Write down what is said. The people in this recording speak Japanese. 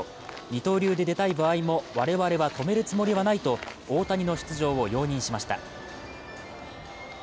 二刀流で出たい場合も我々は止めるつもりはないと大谷の出場を容認しました。